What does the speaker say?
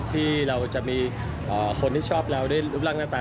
ที่เราจะมีคนที่ชอบเราด้วยรูปร่างหน้าตา